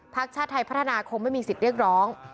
พฤศนาคมไม่มีสิทธิ์เรียกร้อง